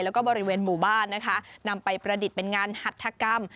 แล้วก็บริเวณหมู่บ้านนะคะนำไปประดิษฐ์เป็นงานหัฐกรรม